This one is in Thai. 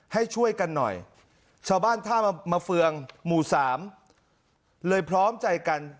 ให้ช่วยกันหน่อยชาวบ้านท่ามาเฟืองหมู่สามเลยพร้อมใจกัน